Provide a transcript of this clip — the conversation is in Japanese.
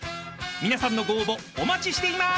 ［皆さんのご応募お待ちしています！］